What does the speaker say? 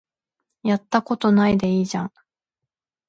やったことないでいいじゃん